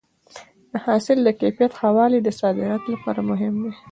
د حاصل د کیفیت ښه والی د صادراتو لپاره مهم دی.